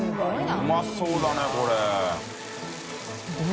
うまそうだねこれ。